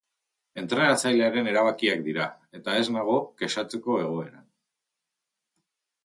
Entrenatzailearen erabakiak dira eta ez nago kexatzeko egoeran.